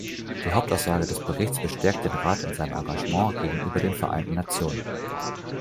Die Hauptaussage des Berichts bestärkt den Rat in seinem Engagement gegenüber den Vereinten Nationen.